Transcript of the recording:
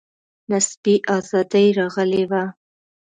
نسبي آزادي راغلې وه.